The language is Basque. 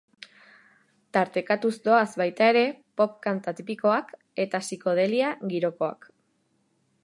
Tartekatuz doaz baita ere, pop kanta tipikoak eta sikodelia girokoak.